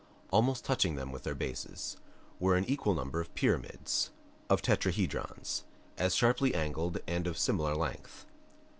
Almost touching them with their bases were an equal number of pyramids, of tetrahedrons, as sharply angled and of similar length.